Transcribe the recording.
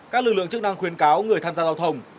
các lực lượng chức năng khuyến cáo người tham gia giao thông